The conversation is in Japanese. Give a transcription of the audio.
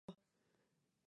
レストランは三階です。